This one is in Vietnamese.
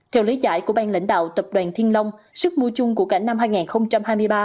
theo lấy giải của bang lãnh đạo tập đoàn thiên long sức mua chung của cả năm hai nghìn hai mươi ba